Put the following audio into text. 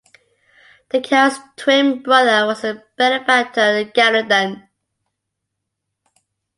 The Count's twin brother was the benefactor of Garendon.